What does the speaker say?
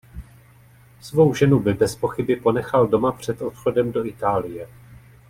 Svou ženu by bezpochyby ponechal doma před odchodem do Itálie.